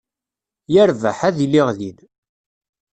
Yerbeḥ, ad iliɣ din.